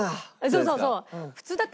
そうそうそう。